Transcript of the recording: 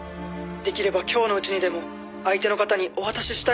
「できれば今日のうちにでも相手の方にお渡ししたいと思うのですが」